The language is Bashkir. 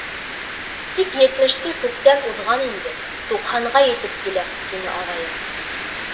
Тик етмеште күптән уҙған инде, туҡһанға етеп килә, — тине ағайым.